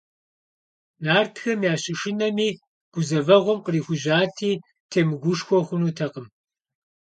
Нартхэм ящышынэми, гузэвэгъуэм кърихужьати, темыгушхуэу хъунутэкъым.